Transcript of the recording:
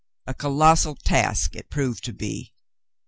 A colossal task it proved to be.